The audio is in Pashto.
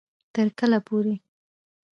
تر کله پورې